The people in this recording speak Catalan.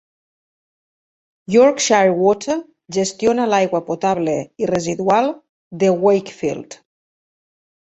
Yorkshire Water gestiona l'aigua potable i residual de Wakefield.